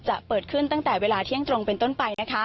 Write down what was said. จะเปิดขึ้นตั้งแต่เวลาเที่ยงตรงเป็นต้นไป